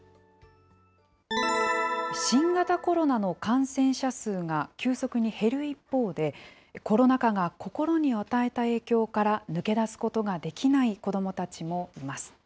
新型コロナの感染者数が急速に減る一方で、コロナ禍が心に与えた影響から抜け出すことができない子どもたちもいます。